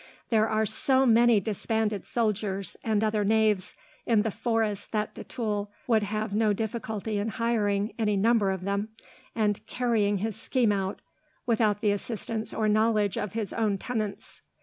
There are so many disbanded soldiers, and other knaves, in the forests that de Tulle would have no difficulty in hiring any number of them, and carrying his scheme out without the assistance or knowledge of his own tenants.